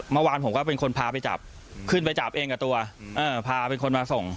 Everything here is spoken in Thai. เมื่อวานผมก็เป็นคนพาไปจับขึ้นไปจับเองกับตัวพาเป็นคนมาส่ง